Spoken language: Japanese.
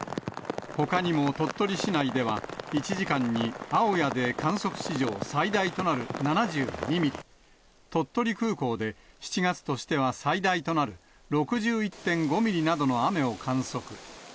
ほかにも鳥取市内では、１時間に青谷で観測史上最大となる７２ミリ、鳥取空港で７月としては最大となる６１．５ミリなどの雨を観測。